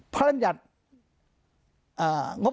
พระรำยัตริย์